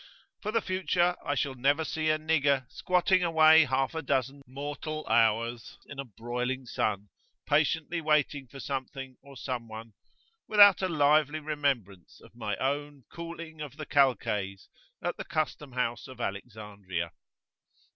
For the future I shall never see a "nigger" squatting away half a dozen mortal hours in a broiling sun patiently waiting for something or for some one, without a lively remembrance of my own cooling of the calces at the custom house of Alexandria.